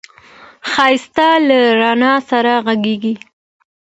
ښایست له رڼا سره غږېږي